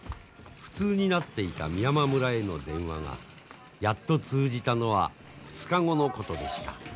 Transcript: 不通になっていた美山村への電話がやっと通じたのは２日後のことでした。